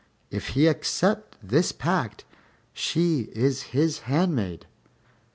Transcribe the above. If he accept this pact, she is his handmaid."